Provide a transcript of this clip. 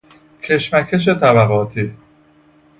کشمکش طبقاتی